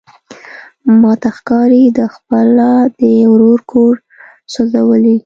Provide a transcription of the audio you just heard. ماته ښکاري ده خپله د ورور کور سوزولی.